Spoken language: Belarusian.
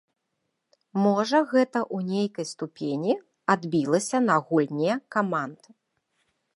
Можа гэта ў нейкай ступені адбілася на гульне каманд.